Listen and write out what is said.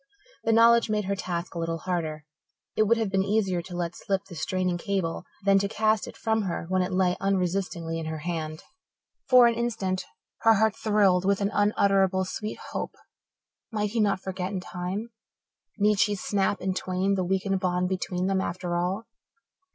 The knowledge made her task a little harder. It would have been easier to let slip the straining cable than to cast it from her when it lay unresistingly in her hand. For an instant her heart thrilled with an unutterably sweet hope. Might he not forget in time? Need she snap in twain the weakened bond between them after all?